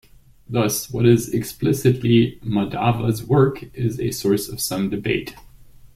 Thus, what is explicitly Madhava's work is a source of some debate.